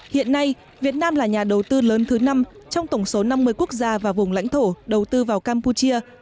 hiện nay việt nam là nhà đầu tư lớn thứ năm trong tổng số năm mươi quốc gia và vùng lãnh thổ đầu tư vào campuchia